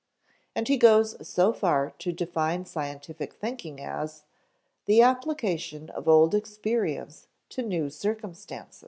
And he goes so far as to define scientific thinking as "the application of old experience to new circumstances."